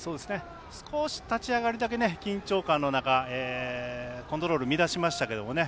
少し、立ち上がりだけ緊張感の中コントロール乱しましたけどもね。